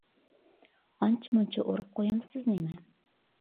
ئانچە-مۇنچە ئۇرۇپ قويامسىز نېمە؟